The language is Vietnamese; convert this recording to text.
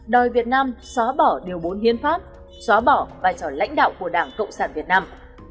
đòi việt nam xóa bỏ điều bốn hiến pháp xóa bỏ vai trò lãnh đạo của đảng cộng sản việt nam